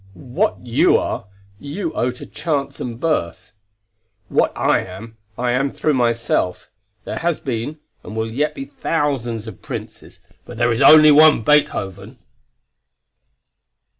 what you are you owe to chance and birth. What I am, I am through myself. There has been, and will yet be thousands of princes, but there is only one Beethoven."[A] [A] Frimmel's Beethoven.